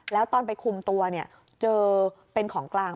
แล้วตอนไปคุมตัวเจอเป็นของกลาง